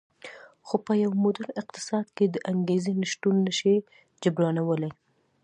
خو په یو موډرن اقتصاد کې د انګېزې نشتون نه شي جبرانولی